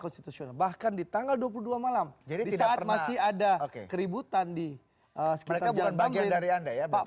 konstitusional bahkan di tanggal dua puluh dua malam jadi tidak pernah masih ada keributan di sekitar jalan bambri